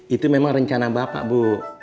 itu memang rencana bapak bu